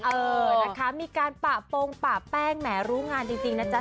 เออนะคะมีการปะโปรงปะแป้งแหมรู้งานจริงนะจ๊ะ